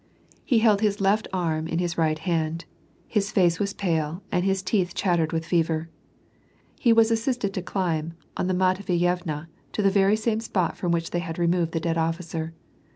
He held his left arm in his right WAK AND PEACE. 233 hand ; his face was pale, and his teeth chattered with fever. He was assisted to climb on the Matveyevna, to the very same spot from which they had removed the dead officer.